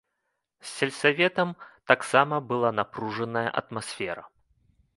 З сельсаветам таксама была напружаная атмасфера.